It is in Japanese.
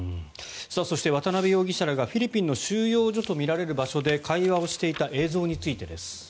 そして、渡邉容疑者らがフィリピンの収容所とみられる場所で会話をしていた映像についてです。